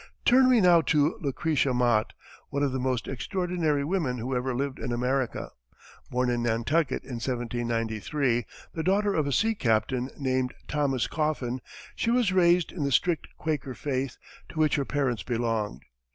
Turn we now to Lucretia Mott, one of the most extraordinary women who ever lived in America. Born in Nantucket in 1793, the daughter of a sea captain named Thomas Coffin, she was raised in the strict Quaker faith, to which her parents belonged.